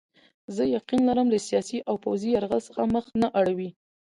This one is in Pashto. زه یقین لرم له سیاسي او پوځي یرغل څخه مخ نه اړوي.